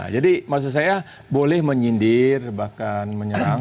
jadi maksud saya boleh menyindir bahkan menyerang